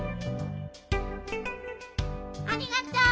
ありがとう。